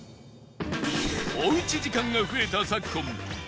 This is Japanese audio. おうち時間が増えた